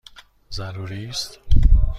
ضروری است!